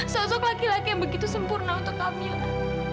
sosok laki laki yang begitu sempurna untuk amila